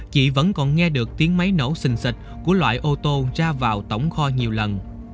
chị vẫn còn nghe được tiếng máy nổ xình xịch của loại ô tô ra vào tổng kho nhiều lần